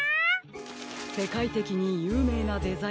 せかいてきにゆうめいなデザイナーですね。